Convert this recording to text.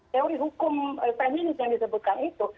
teori hukum feminis yang disebutkan itu